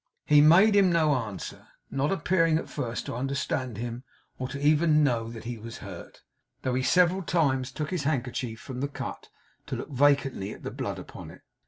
He made him no answer; not appearing at first to understand him, or even to know that he was hurt, though he several times took his handkerchief from the cut to look vacantly at the blood upon it.